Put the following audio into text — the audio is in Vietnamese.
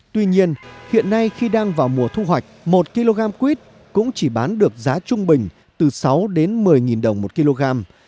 tuy nhiên hiện nay khi đang vào mùa thu hoạch một kg quýt cũng chỉ bán được giá trung bình từ sáu đến một mươi đồng một kg